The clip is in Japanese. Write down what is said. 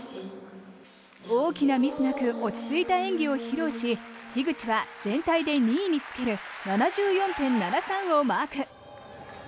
大きなミスなく落ち着いた演技を披露し樋口は全体で２位につける７４．７３をマーク。